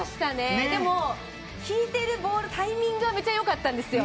でも引いたボールのタイミングはめっちゃ良かったんですよ。